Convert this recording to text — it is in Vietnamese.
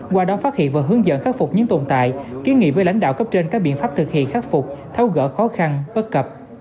qua đó phát hiện và hướng dẫn khắc phục những tồn tại kiến nghị với lãnh đạo cấp trên các biện pháp thực hiện khắc phục tháo gỡ khó khăn bất cập